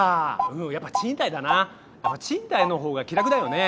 うんやっぱ賃貸だな。やっぱ賃貸のほうが気楽だよね。